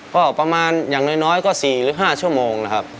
ก็ประมาณอย่างน้อยก็๔หรือ๕ชั่วโมงนะครับ